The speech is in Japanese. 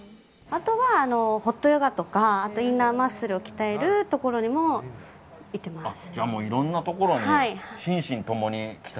あとはホットヨガとかインナーマッスルを鍛えるところにも行ってます。